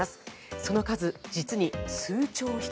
その数、実に数兆匹。